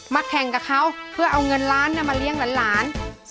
แข่งกับเขาเพื่อเอาเงินล้านมาเลี้ยงหลาน